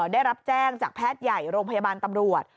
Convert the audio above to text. ได้รับแจ้งจากแพทย์ใหญ่โรงพยาบาลตำรวจ